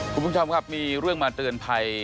คุณผู้ชมครับมีเรื่องมาเตือนภัย